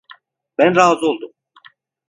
Ben razı oldum.